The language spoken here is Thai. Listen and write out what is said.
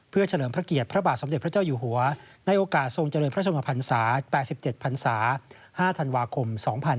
เพื่อเฉลิมพระเกียรติพระบาทสมเด็จพระเจ้าอยู่หัวในโอกาสทรงเจริญพระชมพันศา๘๗พันศา๕ธันวาคม๒๕๕๙